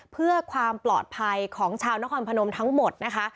เพื่อความปลอดภัยของชาวนครพนมทั้งหมดนะคะ